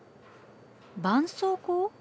ばんそうこう？